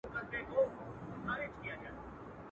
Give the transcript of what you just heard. زما جانان ګل د ګلاب دی.